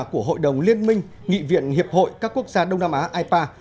của hội đồng liên minh nghị viện hiệp hội các quốc gia đông nam á ipa